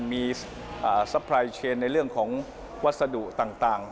มีซัพพลายเชนในเรื่องของวัสดุต่าง